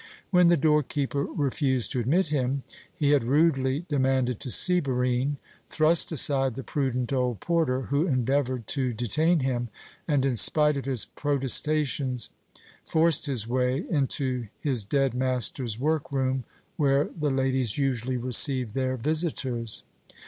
When the door keeper refused to admit him, he had rudely demanded to see Barine, thrust aside the prudent old porter, who endeavoured to detain him, and, in spite of his protestations, forced his way into his dead master's work room, where the ladies usually received their visitors.